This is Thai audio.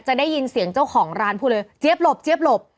จะได้ยินเสียงเจ้าของร้านพูดเลยเจี๊ยบหลบเจี๊ยบหลบ